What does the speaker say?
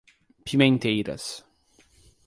Pimenteiras